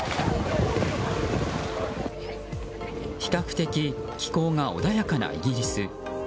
比較的気候が穏やかなイギリス。